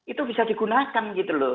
itu bisa digunakan gitu loh